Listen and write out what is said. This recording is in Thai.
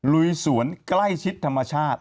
ลุยสวนใกล้ชิดธรรมชาติ